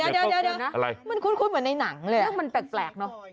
เดี๋ยวมันคุ้นเหมือนในหนังเลยเรื่องมันแปลกเนอะ